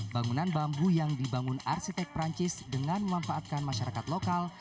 bangunan bambu yang dibangun arsitek perancis dengan memanfaatkan masyarakat lokal